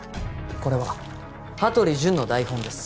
これは羽鳥潤の台本です